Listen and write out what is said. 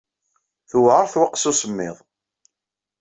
Tewɛer twaqqsa n usemmiḍ.